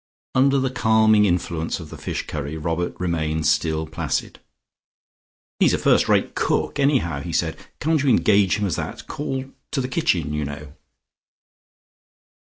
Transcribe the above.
Under the calming influence of the fish curry, Robert remained still placid. "He's a first rate cook anyhow," he said. "Can't you engage him as that? Call to the kitchen, you know."